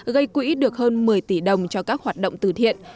gây quỹ được hơn một mươi tỷ đồng cho các hoạt động từ thiện